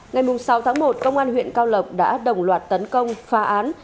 ngày sáu tháng một công an huyện cao lộc đã đồng loạt tấn công phá án